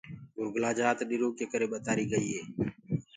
گُرگلآ جآت ڏِرو ڪي ڪري ٻتآريٚ گئيٚ هي۔